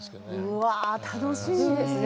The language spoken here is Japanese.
うわあ、楽しみですね。